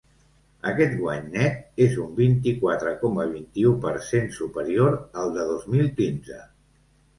Aquest guany net és un vint-i-quatre coma vint-i-u per cent superior al de dos mil quinze.